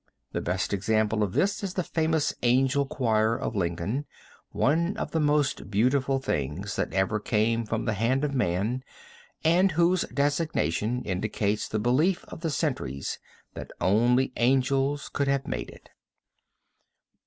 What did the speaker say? The best example of this is the famous Angel Choir of Lincoln, one of the most beautiful things that ever came from the hand of man and whose designation indicates the belief of the centuries that only the angels could have made it.